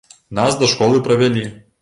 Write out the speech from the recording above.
Нас да школы правялі.